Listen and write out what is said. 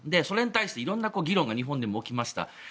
それに対して色んな議論が日本でも起きました。